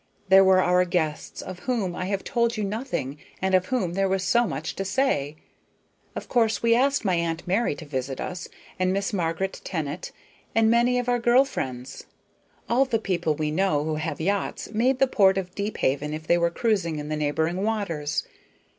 There were our guests, of whom I have told you nothing, and of whom there was so much to say. Of course we asked my Aunt Mary to visit us, and Miss Margaret Tennant, and many of our girlfriends. All the people we know who have yachts made the port of Deephaven if they were cruising in the neighboring waters.